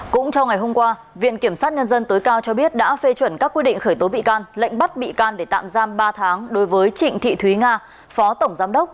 cũng trong ngày hôm qua viện kiểm sát nhân dân tối cao cho biết đã phê chuẩn các quy định khởi tố bị can lệnh bắt bị can để tạm giam ba tháng đối với trịnh thị thúy nga phó tổng giám đốc